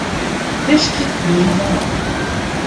Wiskje ien werom.